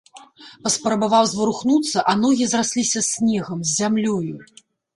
Паспрабаваў зварухнуцца, а ногі зрасліся з снегам, з зямлёю.